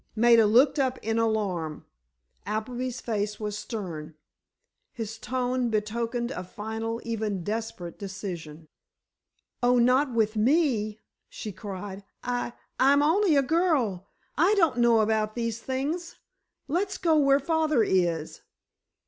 Maida looked up in alarm. Appleby's face was stern, his tone betokened a final, even desperate decision. "Oh, not with me," she cried; "I—I'm only a girl—I don't know about these things—let's go where father is."